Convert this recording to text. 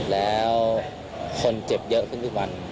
แล้วคนเจ็บเยอะขึ้นทุกวัน